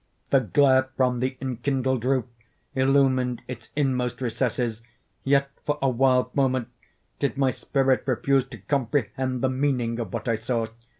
The glare from the enkindled roof illumined its inmost recesses. Yet, for a wild moment, did my spirit refuse to comprehend the meaning of what I saw.